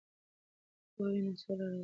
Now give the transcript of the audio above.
که پوهه وي نو سوله راځي.